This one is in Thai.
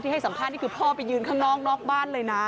ให้สัมภาษณ์นี่คือพ่อไปยืนข้างนอกนอกบ้านเลยนะ